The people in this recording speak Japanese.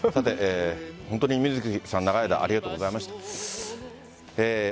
本当に水木さん長い間ありがとうございました。